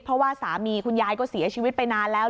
เพราะว่าสามีคุณยายก็เสียชีวิตไปนานแล้ว